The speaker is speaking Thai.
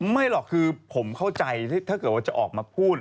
ไม่หรอกคือผมเข้าใจถ้าเกิดว่าจะออกมาพูด